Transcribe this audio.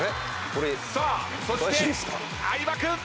さあそして相葉君。